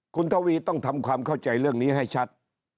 คุณทวีต้องทำความเข้าใจเรื่องนี้ให้ชัด